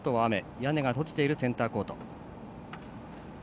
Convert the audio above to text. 屋根が閉じているセンターコート。